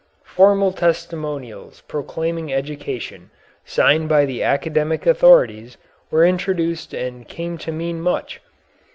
Formal testimonials proclaiming education, signed by the academic authorities, were introduced and came to mean much.